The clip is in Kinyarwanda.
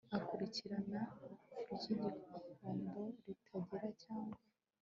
ikurikirana ry igihombo ritangira cyangwa